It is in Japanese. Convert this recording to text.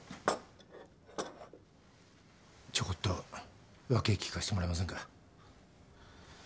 ちょこっと訳聞かせてもらえませんか？